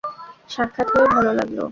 সাক্ষাৎ হয়ে ভালো লাগল!